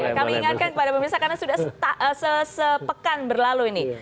kami ingatkan kepada pemirsa karena sudah sepekan berlalu ini